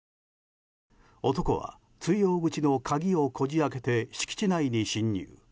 男は通用口の鍵をこじ開けて敷地内に侵入。